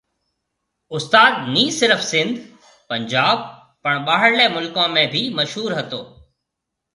استاد ني صرف سنڌ، پنجاب، پڻ ٻاھرلي مُلڪون ۾ بِي مشھور ھتو